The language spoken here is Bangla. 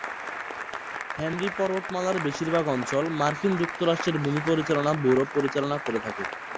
হেনরি পর্বতমালার বেশীরভাগ অঞ্চল মার্কিন যুক্তরাষ্ট্রের ভূমি পরিচালনা ব্যুরো পরিচালনা করে থাকে।